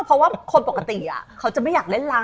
เพราะว่าคนปกติเขาจะไม่อยากเล่นลำ